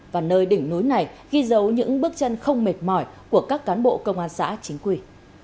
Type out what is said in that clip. và nơi đỉnh núi này ghi dấu những bước chân không mệt mỏi của các cán bộ công an xã chính quy